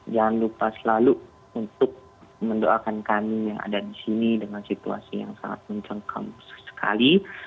jangan lupa selalu untuk mendoakan kami yang ada di sini dengan situasi yang sangat mencengkam sekali